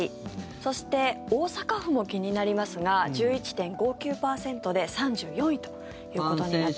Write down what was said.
そして、大阪府も気になりますが１１．５９％で３４位ということになっています。